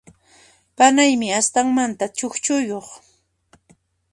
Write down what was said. Panaymi astanmanta chukchuyuq.